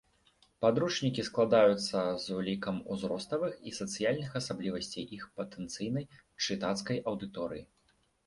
Падручнікі складаюцца з улікам узроставых і сацыяльных асаблівасцей іх патэнцыйнай чытацкай аўдыторыі.